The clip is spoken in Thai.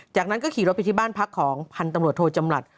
จากนั้นก็ขี่รถไปที่บ้านพักของพันธุ์ตำรวจโทจำหลัด